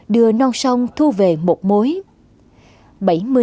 đưa non sông thu về một mối